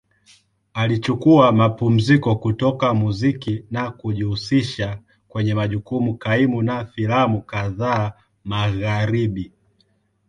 Alichukua mapumziko kutoka muziki na kujihusisha kwenye majukumu kaimu na filamu kadhaa Magharibi.